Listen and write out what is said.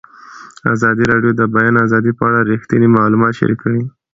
ازادي راډیو د د بیان آزادي په اړه رښتیني معلومات شریک کړي.